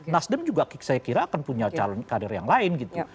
nasdem juga saya kira akan punya calon kader yang lain gitu